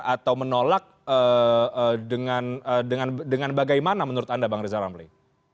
atau menolak dengan bagaimana menurut anda bang rizal ramli